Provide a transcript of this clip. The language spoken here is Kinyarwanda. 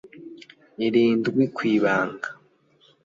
irindwi ku ibanga